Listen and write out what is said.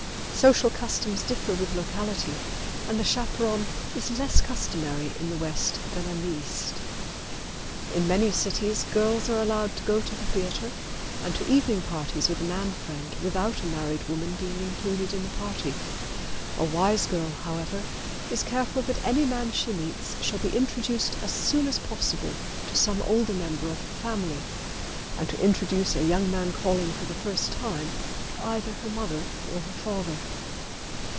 Social customs differ with locality, and the chaperon is less customary in the West than in the East. In many cities girls are allowed to go to the theater and to evening parties with a man friend without a married woman being included in the party. A wise girl, however, is careful that any man she meets shall be introduced as soon as possible to some older member of her family and to introduce a young man calling for the first time to either her mother or father.